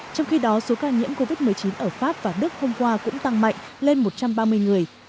trong khi đó số ca nhiễm covid một mươi chín ở pháp và đức hôm qua cũng tăng mạnh lên một trăm ba mươi người